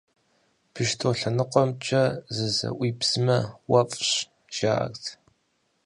Бещто лъэныкъуэмкӀэ зызэӀуибзмэ, уэфщӀ, жаӀэрт.